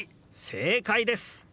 正解です！